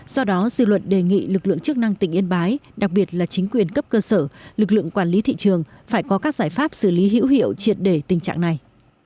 do đó dư luận đề nghị lực lượng chức năng tỉnh yên bái đặc biệt là chính quyền cấp cơ sở lực lượng quản lý thị trường phải có các giải pháp xử lý hữu hiệu triệt để tình trạng này